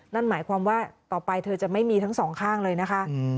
นั่นหมายความว่าต่อไปเธอจะไม่มีทั้งสองข้างเลยนะคะ